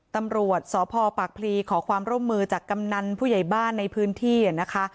ตำรวจสพปากพลีขอความร่วมมือจากกำนันผู้ใหญ่บ้านในพื้นที่นะคะ